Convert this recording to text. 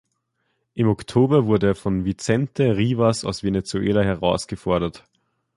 Im Oktober wurde er von Vicente Rivas aus Venezuela herausgefordert.